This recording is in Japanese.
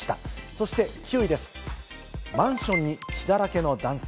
そして９位です、マンションに血だらけの男性。